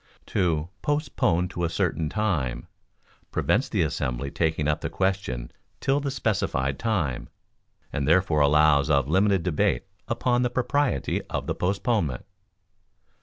To "Postpone to a certain time" prevents the assembly taking up the question till the specified time, and therefore allows of limited debate upon the propriety of the postponement.